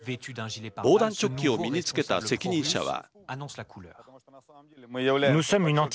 防弾チョッキを身に着けた責任者は。